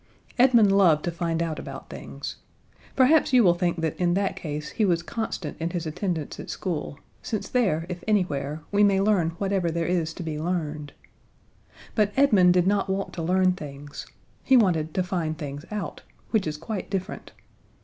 Edmund loved to find out about things. Perhaps you will think that in that case he was constant in his attendance at school, since there, if anywhere, we may learn whatever there is to be learned. But Edmund did not want to learn things: He wanted to find things out, which is quite different.